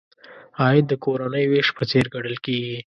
عاید د کورنۍ وېش په څېر ګڼل کیږي.